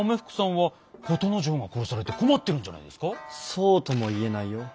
そうとも言えないよ。